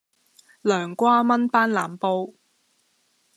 涼瓜炆班腩煲